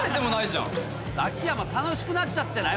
秋山楽しくなっちゃってない？